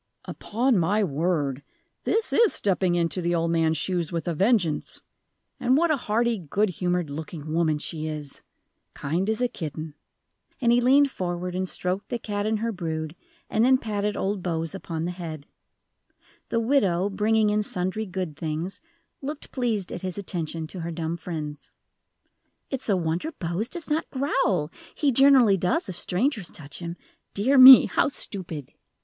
"Upon my word, this is stepping into the old man's shoes with a vengeance! And what a hearty, good humored looking woman she is! Kind as a kitten," and he leaned forward and stroked the cat and her brood, and then patted old Bose upon the head. The widow, bringing in sundry good things, looked pleased at his attention to her dumb friends. "It's a wonder Bose does not growl; he generally does if strangers touch him. Dear me, how stupid!"